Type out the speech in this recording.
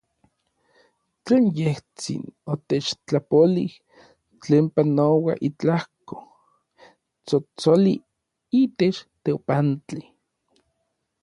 Tlen yejtsin otechtlapolij, tlen panoua itlajko tsotsoli itech teopantli.